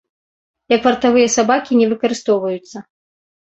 Як вартавыя сабакі не выкарыстоўваюцца.